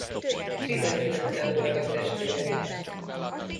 Tizenkilencen voltak testvérek.